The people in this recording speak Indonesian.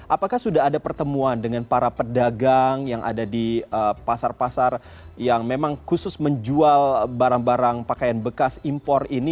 apakah sudah ada pertemuan dengan para pedagang yang ada di pasar pasar yang memang khusus menjual barang barang pakaian bekas impor ini